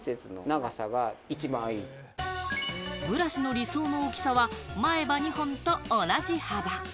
ブラシの理想の大きさは前歯２本と同じ幅。